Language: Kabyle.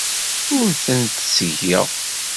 Ur ten-ttgeɣ.